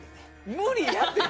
無理やって！